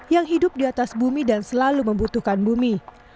yang hidup di atas bumi dan selalu membutuhkan bumi